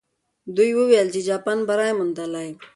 دوی وویل چې جاپان بری موندلی.